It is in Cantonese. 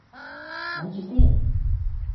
咪住先